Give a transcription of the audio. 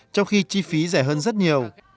trong khi chi phí rẻ hơn rất nhiều